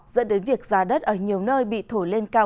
dẫn đến việc giá đất ở nhiều nơi bị thổi lên các nơi